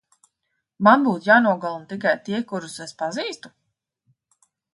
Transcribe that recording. Man būtu jānogalina tikai tie, kurus es pazīstu?